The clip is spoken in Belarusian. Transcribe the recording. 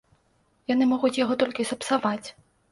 Яны могуць яго толькі сапсаваць.